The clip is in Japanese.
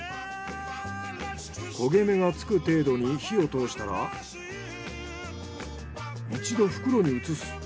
焦げ目がつく程度に火を通したら一度袋に移す。